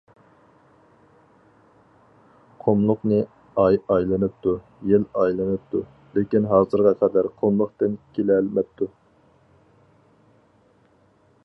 قۇملۇقنى ئاي ئايلىنىپتۇ، يىل ئايلىنىپتۇ، لېكىن ھازىرغا قەدەر قۇملۇقتىن كېلەلمەپتۇ.